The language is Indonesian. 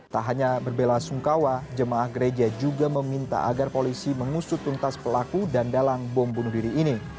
tak hanya berbela sungkawa jemaah gereja juga meminta agar polisi mengusut tuntas pelaku dan dalang bom bunuh diri ini